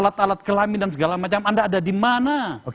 alat alat kelamin dan segala macam anda ada di mana